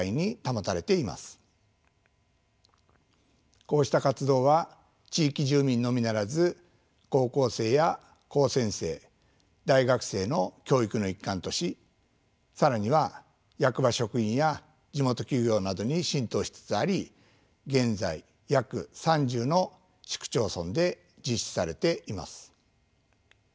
こうした活動は地域住民のみならず高校生や高専生大学生の教育の一環とし更には役場職員や地元企業などに浸透しつつあり現在約３０の市区町村で実施されています。